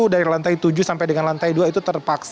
dari lantai tujuh sampai dengan lantai dua itu terpaksa